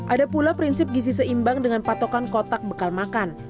ada pula prinsip gizi seimbang dengan patokan kotak bekal makan